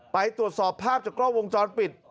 ไปตรวจสอบภาพจากกล้องวงจรปิด